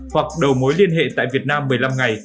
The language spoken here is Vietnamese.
hoặc đầu mối liên hệ tại việt nam một mươi năm ngày